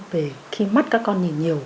về khi mắt các con nhìn nhiều